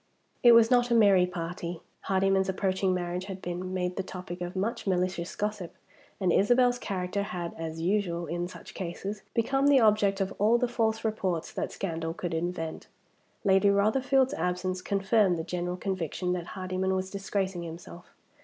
It was not a merry party. Hardyman's approaching marriage had been made the topic of much malicious gossip, and Isabel's character had, as usual in such cases, become the object of all the false reports that scandal could invent. Lady Rotherfield's absence confirmed the general conviction that Hardyman was disgracing himself.